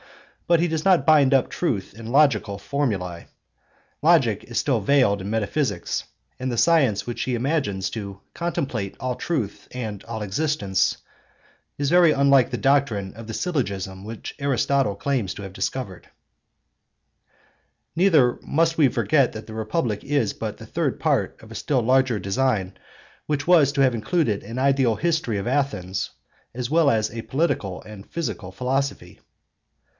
But he does not bind up truth in logical formulae,—logic is still veiled in metaphysics; and the science which he imagines to 'contemplate all truth and all existence' is very unlike the doctrine of the syllogism which Aristotle claims to have discovered (Soph. Elenchi, 33. 18). Neither must we forget that the Republic is but the third part of a still larger design which was to have included an ideal history of Athens, as well as a political and physical philosophy.